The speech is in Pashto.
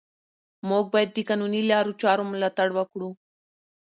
موږ باید د قانوني لارو چارو ملاتړ وکړو